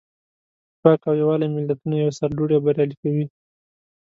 اتفاق او یووالی ملتونه سرلوړي او بریالي کوي.